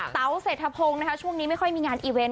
เต๋าเศรษฐพงศ์นะคะช่วงนี้ไม่ค่อยมีงานอีเวนต